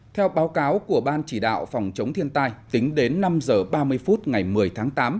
theo báo cáo của ban chỉ đạo phòng chống thiên tai tính đến năm h ba mươi phút ngày một mươi tháng tám